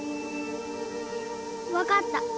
分かった。